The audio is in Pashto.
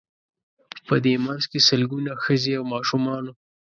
په دې منځ کې سلګونه ښځې او ماشومان وو.